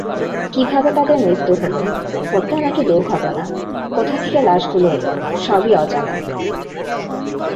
কীভাবে তাঁদের মৃত্যু হলো, হত্যা নাকি দুর্ঘটনা, কোত্থেকে লাশগুলো এল—সবই অজানা।